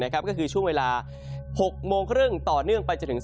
ก็คือช่วงเวลา๖๓๐ต่อเนื่องไปจนถึง๒๓๐